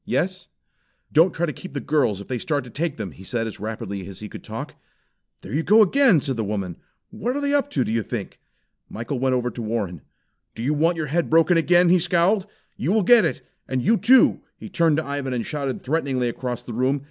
"Yes!" "Don't try to keep the girls if they start to take them," he said as rapidly as he could talk. "There they go again!" said the woman "What are they up to, do you think?" Michael went over to Warren. "Do you want your head broken again?" he scowled. "You will get it. And you, too!" He turned to Ivan, and shouted threateningly across the room.